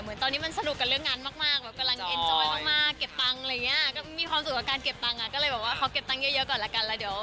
เหมือนตอนนี้มันสนุกกับเรื่องงานมาก